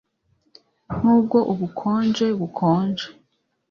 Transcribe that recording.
nubwo ubukonje bukonje